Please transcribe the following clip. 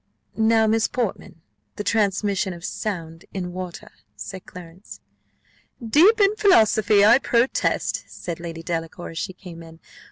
"Now, Miss Portman, the transmission of sound in water," said Clarence "Deep in philosophy, I protest!" said Lady Delacour, as she came in.